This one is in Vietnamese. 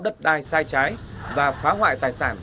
cơ quan đất đai sai trái và phá hoại tài sản